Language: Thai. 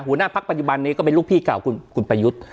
หัวหน้าพักปัจจุบันนี้ก็เป็นลูกพี่เก่าคุณประยุทธ์